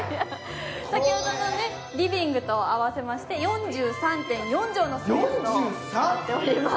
先ほどのリビングと合わせまして４３．４畳となっております。